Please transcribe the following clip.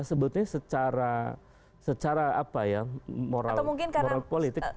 sebutnya secara moral politik